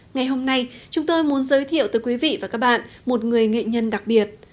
ngày hôm nay chúng tôi muốn giới thiệu tới quý vị và các bạn một người nghệ nhân đặc biệt